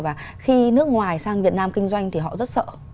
và khi nước ngoài sang việt nam kinh doanh thì họ rất sợ